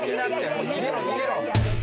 もう逃げろ逃げろ。